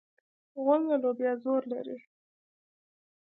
غول د لوبیا زور لري.